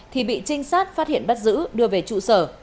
thì bị trinh sát phát hiện bắt giữ đưa về trụ sở